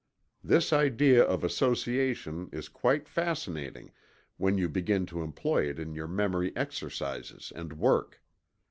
This idea of association is quite fascinating when you begin to employ it in your memory exercises and work.